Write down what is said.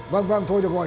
vâng vâng thôi được rồi